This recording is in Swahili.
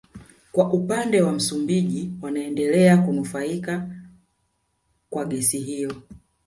Kwa upande wa Msumbiji wanaendelea kunufaika kwa gesi hiyo